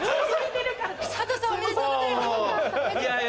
加藤さんおめでとうございます。